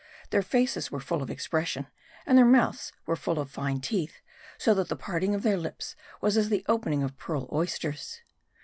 Their faces were full of expression ; and their mouths were full of fine teeth ; so that the parting of their lips, was as the opening of pearl oysters.